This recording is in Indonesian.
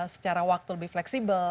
secara waktu lebih fleksibel